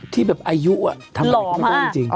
ที่แบบอายุทำอะไรก็ไม่ได้จริง